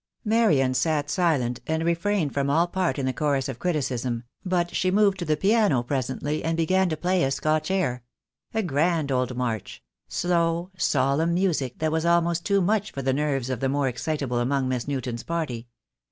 Marian sat silent, and refrained from all part in the chorus of criticism, but she moved to the piano presently and began to play a Scotch air — a grand old march — slow, solemn music that was almost too much for the nerves of the more excitable among Miss Newton's party.